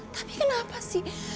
tapi kenapa sih